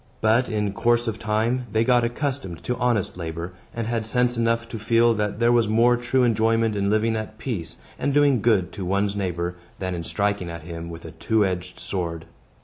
But, in course of time, they got accustomed to honest labor, and had sense enough to feel that there was more true enjoyment in living at peace, and doing good to one's neighbor, than in striking at him with a two edged sword.